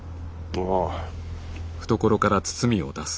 ああ。